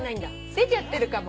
出ちゃってるかも。